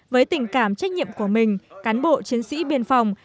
với tình cảm trách nhiệm của mình cán bộ chiến sĩ biên phòng